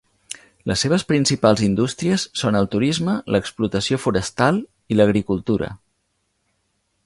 Les seves principals indústries són el turisme, l'explotació forestal i l'agricultura.